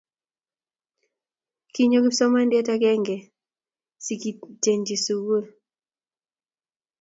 Kinyo kipsomaniande akenge ak sikintenyi sukul